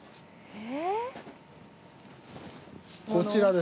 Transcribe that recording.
え！